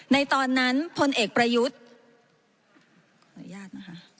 ในตอนนั้นพลเอกประยุทธ์